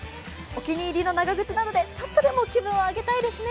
お気に入りの長靴などでちょっとでも気分を上げたいですね。